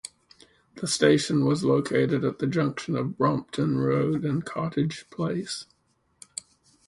The station was located at the junction of Brompton Road and Cottage Place.